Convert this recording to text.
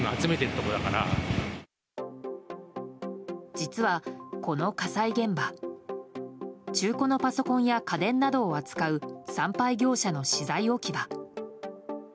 実は、この火災現場中古のパソコンや家電などを扱う産廃業者の資材置き場。